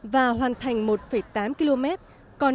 và hoàn thành một vùng đường đầm loạt thi công